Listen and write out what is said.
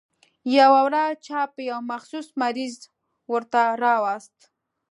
يوه ورځ چا يو مخصوص مریض ورته راوست.